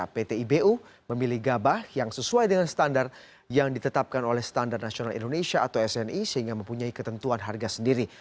pt ibu memilih gabah yang sesuai dengan standar yang ditetapkan oleh standar nasional indonesia atau sni sehingga mempunyai ketentuan harga sendiri